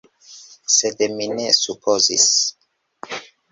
Sed mi ne supozis.